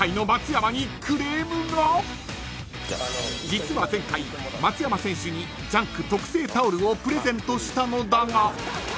［実は前回松山選手に『ジャンク』特製タオルをプレゼントしたのだが］